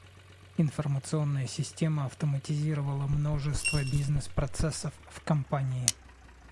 Информационная система автоматизировала множество бизнес-процессов в компании.